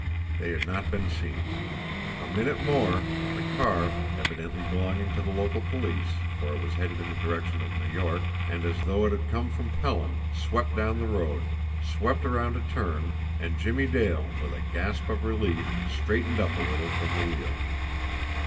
They had not been seen. A minute more, and the car, evidently belonging to the local police, for it was headed in the direction of New York, and as though it had come from Pelham, swept down the road, swept around a turn, and Jimmie Dale, with a gasp of relief, straightened up a little from the wheel.